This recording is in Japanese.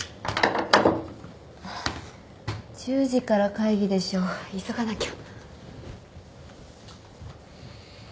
１０時から会議でしょ急がなきゃ。